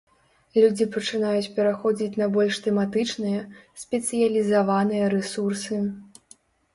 Людзі пачынаюць пераходзіць на больш тэматычныя, спецыялізаваныя рэсурсы.